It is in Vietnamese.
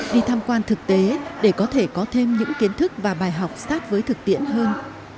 đi tham quan thực tế để có thể có thêm những kiến thức và bài học sát với thực tiễn hơn